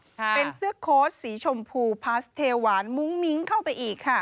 เป็นเสื้อโค้ดสีชมพูพาสเทหวานมุ้งมิ้งเข้าไปอีกค่ะ